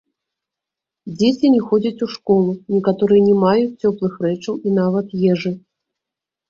Дзеці не ходзяць у школу, некаторыя не маюць цёплых рэчаў і нават ежы.